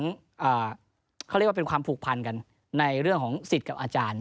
เขาเรียกว่าเป็นความผูกพันกันในเรื่องของสิทธิ์กับอาจารย์